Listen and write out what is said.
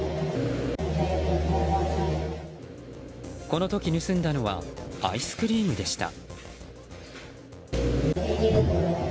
この時、盗んだのはアイスクリームでした。